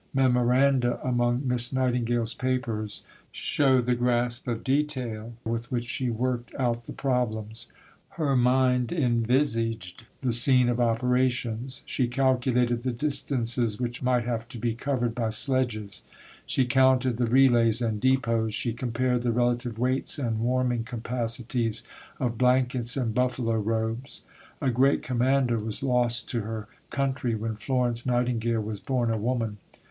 Memoranda among Miss Nightingale's papers show the grasp of detail with which she worked out the problems. Her mind envisaged the scene of operations. She calculated the distances which might have to be covered by sledges; she counted the relays and depots; she compared the relative weights and warming capacities of blankets and buffalo robes. A great Commander was lost to her country when Florence Nightingale was born a woman.